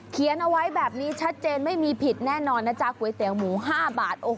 เขียนเอาไว้แบบนี้ชัดเจนไม่มีผิดแน่นอนนะจ๊ะก๋วยเตี๋ยวหมู๕บาท